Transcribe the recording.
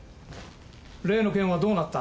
例の件はどうなった？